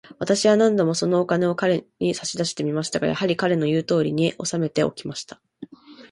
私は何度も、そのお金を彼に差し出してみましたが、やはり、彼の言うとおりに、おさめておきました。